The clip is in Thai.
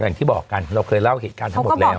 อย่างที่บอกกันเราเคยเล่าเหตุการณ์ทั้งหมดแล้ว